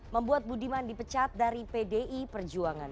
membuat budiman dipecat dari pdi perjuangan